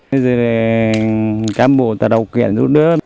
bây giờ cán bộ ta đầu quyển luôn đó